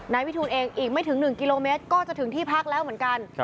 นายวิทูลเองอีกไม่ถึง๑กิโลเมตรก็จะถึงที่พักแล้วเหมือนกัน